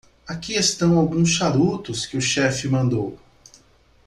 Aqui estão alguns charutos que o chefe mandou.